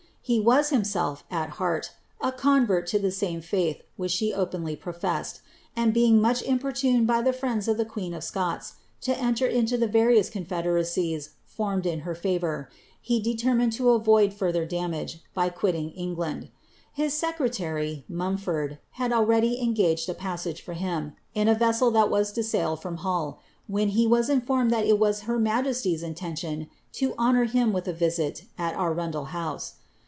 He was himself, ai heart, a coiiven to the same faith which die optnt* profesiteil ; aai bein^ much imporiunei) by the friends of the quern (^ Scots to eoler into the various confederacies formed in lier favour, he determined lo avoid further danger, by quitting England. Ilia aecrctary, Mumford, had already engaged a passage for him. in a \eseel that wm lo sail from Hull, when he was iiifonned that it was her majesty'* in lentioii lo honour him wilh a viail at Arundel house.